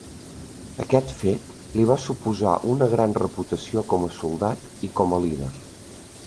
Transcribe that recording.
Aquest fet li va suposar una gran reputació com a soldat i com a líder.